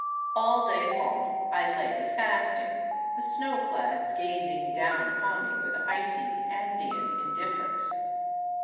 All day long I lay fasting, the snowclads gazing down upon me with icy, Andean indifference.